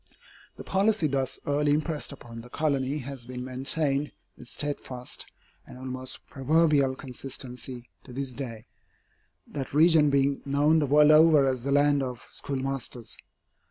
The policy thus early impressed upon the colony has been maintained with steadfast and almost proverbial consistency to this day, that region being known the world over as the land of schoolmasters.